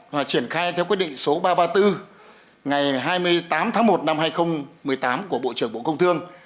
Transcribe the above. và triển khai theo quyết định số ba trăm ba mươi bốn ngày hai mươi tám tháng một năm hai nghìn một mươi tám của bộ trưởng bộ công thương